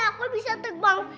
aku bisa terbang